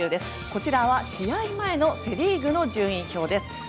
こちらは試合前のセ・リーグの順位表です。